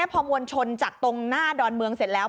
พอมวลชนจากตรงหน้าดอนเมืองเสร็จแล้ว